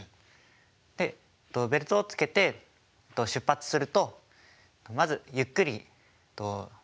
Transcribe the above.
でベルトをつけて出発するとまずゆっくりと上っていきます。